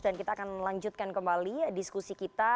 kita akan lanjutkan kembali diskusi kita